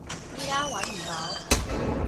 依家揾唔到